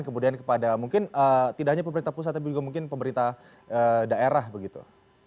kemudian kepada mungkin tidak hanya pemerintah pusat tapi juga mungkin pemerintah daerah begitu